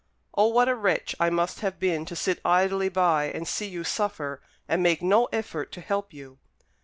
O, what a wretch I must have been to sit idly by and see you suffer, and make no effort to help you!"